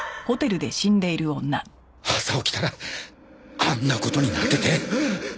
朝起きたらあんな事になってて。